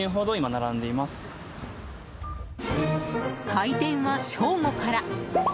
開店は正午から。